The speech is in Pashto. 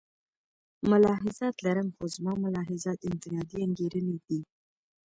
ملاحظات لرم خو زما ملاحظات انفرادي انګېرنې دي.